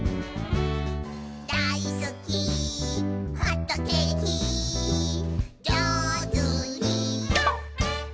「だいすきホットケーキ」「じょうずにはんぶんこ！」